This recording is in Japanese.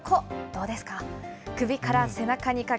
どうですか。